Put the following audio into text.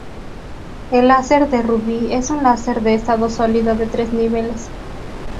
El láser de rubí es un láser de estado sólido de tres niveles.